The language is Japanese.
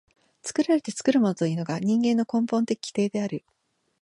作られて作るものというのが人間の根本的規定である。